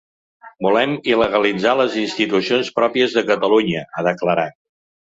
Volen il·legalitzar les institucions pròpies de Catalunya, ha declarat.